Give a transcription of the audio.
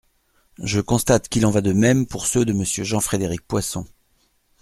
Je constate qu’il en va de même pour ceux de Monsieur Jean-Frédéric Poisson.